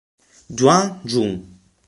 Duan Ju